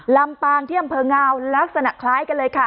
ลำปางที่อำเภองาวลักษณะคล้ายกันเลยค่ะ